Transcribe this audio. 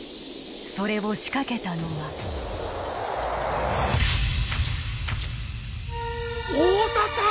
それを仕掛けたのは太田さん！